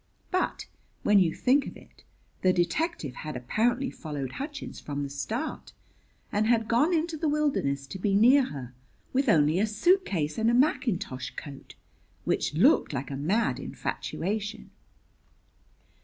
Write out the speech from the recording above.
But, when you think of it, the detective had apparently followed Hutchins from the start, and had gone into the wilderness to be near her, with only a suitcase and a mackintosh coat; which looked like a mad infatuation.